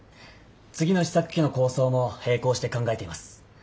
次の試作機の構想も並行して考えています。